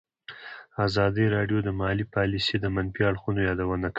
ازادي راډیو د مالي پالیسي د منفي اړخونو یادونه کړې.